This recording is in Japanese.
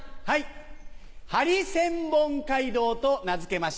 ハリセンボン街道と名付けました。